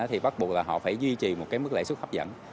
thì bắt buộc là họ phải duy trì một cái mức lãi suất hấp dẫn